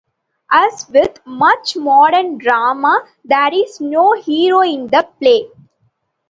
As with much modern drama, there is no hero in the play.